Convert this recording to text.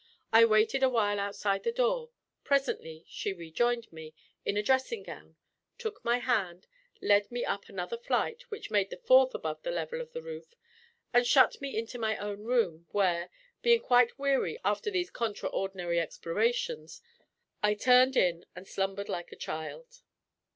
I waited a while outside her door. Presently she rejoined me, in a dressing gown, took my hand, led me up another flight, which made the fourth above the level of the roof, and shut me into my own room, where (being quite weary after these contraordinary explorations) I turned in, and slumbered like a child.